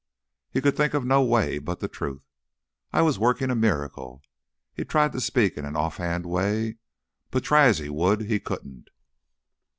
He could think of no way but the truth. "I was working a miracle." He tried to speak in an off hand way, but try as he would he couldn't.